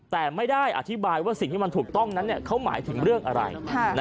แต่ไม่ได้อธิบายว่าสิ่งที่มันถูกต้องนั้นเขาหมายถึงเรื่องอะไร